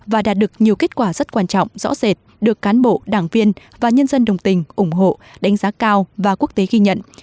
và đạt được nhiều kết quả rất quan trọng rõ rệt được cán bộ đảng viên và nhân dân đồng tình ủng hộ đánh giá cao và quốc tế ghi nhận